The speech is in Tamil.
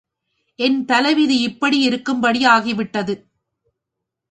என் தலைவிதி இப்படி இருக்கும்படி ஆகிவிட்டது!